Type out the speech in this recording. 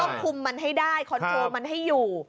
คุมมันให้ได้คอนโทรมันให้อยู่